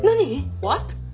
ホワット？